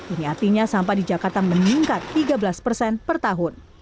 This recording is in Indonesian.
ini artinya sampah di jakarta meningkat tiga belas persen per tahun